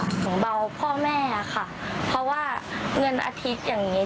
ของเบาพ่อแม่ค่ะเพราะว่าเงินอาทิตย์อย่างนี้